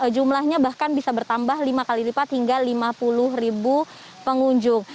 jumlahnya bahkan bisa bertambah lima kali lipat hingga lima puluh ribu pengunjung